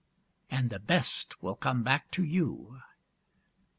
And the best will come back to you.